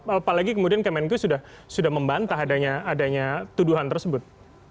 apalagi kemudian kemenku sudah membantah adanya tuduhan tersebut